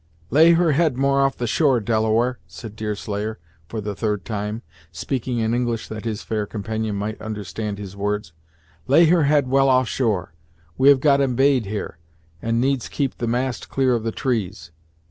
"Lay her head more off the shore, Delaware," said Deerslayer for the third time, speaking in English that his fair companion might understand his words "Lay her head well off shore. We have got embayed here, and needs keep the mast clear of the trees.